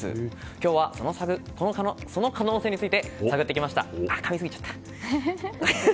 今日はその可能性について探ってきました。